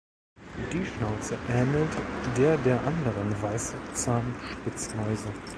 Die Schnauze ähnelt der der anderen Weißzahnspitzmäuse.